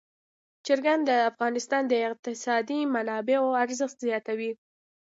چرګان د افغانستان د اقتصادي منابعو ارزښت زیاتوي.